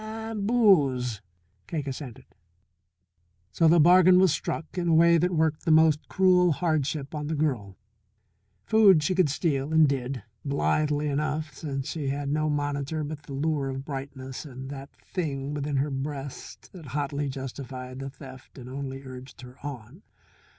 "And booze," Cake assented. So the bargain was struck in a way that worked the most cruel hardship on the girl. Food she could steal and did, blithely enough, since she had no monitor but the lure of brightness and that Thing within her breast that hotly justified the theft and only urged her on.